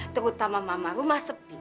terutama mama rumah sepi